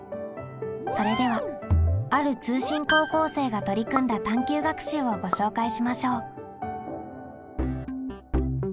それではある通信高校生が取り組んだ探究学習をご紹介しましょう。